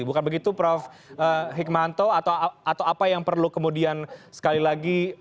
bukan begitu prof hikmanto atau apa yang perlu kemudian sekali lagi